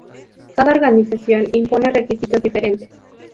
Cada organización impone requisitos diferentes.